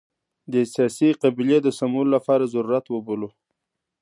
د سیاسي قبلې د سمولو لپاره ضرورت وبولو.